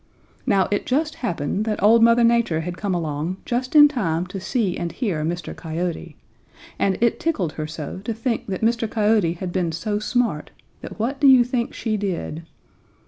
"Now it just happened that Old Mother Nature had come along just in time to see and hear Mr. Coyote, and it tickled her so to think that Mr. Coyote had been so smart that what do you think she did?